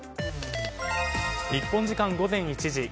日本時間午前１時。